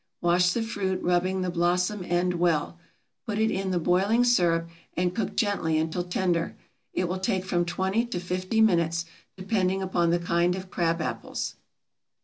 Wash the fruit, rubbing the blossom end well. Put it in the boiling sirup, and cook gently until tender. It will take from twenty to fifty minutes, depending upon the kind of crab apples.